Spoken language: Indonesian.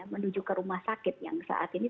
menuju ke rumah sakit yang saat ini